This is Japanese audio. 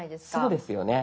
そうですよね。